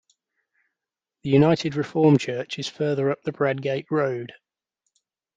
The United Reformed Church is further up Bradgate Road.